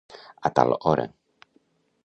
A tal hora.